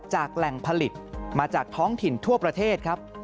แหล่งผลิตมาจากท้องถิ่นทั่วประเทศครับ